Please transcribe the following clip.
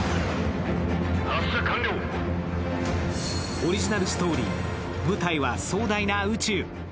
オリジナルストーリー、舞台は壮大な宇宙。